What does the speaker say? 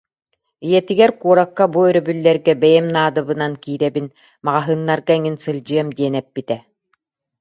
Ийэтигэр куоракка бу өрөбүллэргэ бэйэм наадабынан киирэбин, маҕаһыыннарга эҥин сылдьыам диэн эппитэ